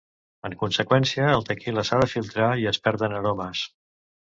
En conseqüència, el tequila s’ha de filtrar i es perden aromes.